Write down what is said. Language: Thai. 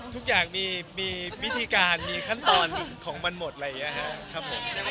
ทุกอย่างมีวิธีการมีขั้นตอนของมันหมดอะไรอย่างนี้ครับผม